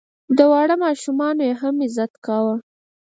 د واړه ماشوم هم عزت کوه.